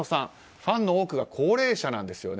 ファンの多くが高齢者なんですよね。